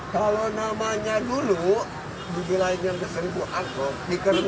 kalau namanya dulu di jelain yang ke seribu angkot dikerenakan